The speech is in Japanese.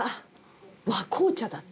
和紅茶だって。